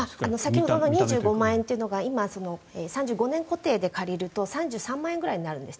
さっき２５万円というのが３５年固定で借りると３３万円ぐらいになるんです。